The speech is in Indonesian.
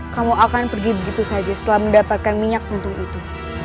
kamu akan pergi begitu saja setelah mendapatkan minyak untuk itu